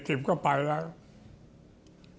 มีอาวุธก็ไปแล้วไม่มีอัตราครับ